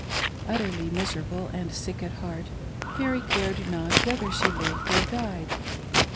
Utterly miserable and sick at heart, Mary cared not whether she lived or died.